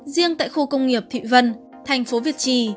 riêng tại khu công nghiệp thị vân thành phố việt trì